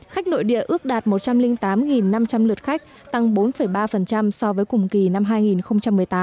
khách nội địa ước đạt một trăm linh tám năm trăm linh lượt khách tăng bốn ba so với cùng kỳ năm hai nghìn một mươi tám